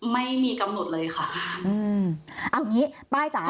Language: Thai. ไม่มีกำหนดเลยค่ะอืมเอาอย่างงี้ป้ายจ๋า